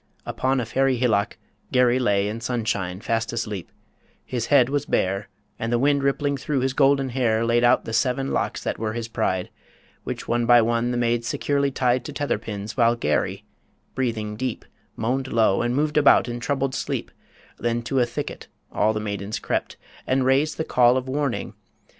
Upon a fairy hillock Garry lay In sunshine fast asleep: his head was bare, And the wind rippling through his golden hair Laid out the seven locks that were his pride, Which one by one the maids securely tied To tether pins, while Garry, breathing deep, Moaned low, and moved about in troubled sleep Then to a thicket all the maidens crept, And raised the Call of Warning